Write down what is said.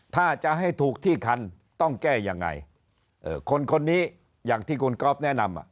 ถ้าจะให้ถูกที่คันต้องแก้ยังไงคนคนนี้อย่างที่คุณก๊อฟแนะนำอ่ะ